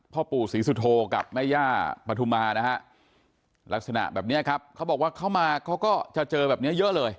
พ่อปู่ศรีสุโธกับแม่ย่าปฐุมานะฮะลักษณะแบบนี้ครับเขาบอกว่าเขามาเขาก็จะเจอแบบนี้เยอะเลย